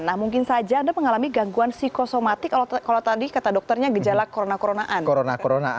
nah mungkin saja anda mengalami gangguan psikosomatik kalau tadi kata dokternya gejala corona coronaan corona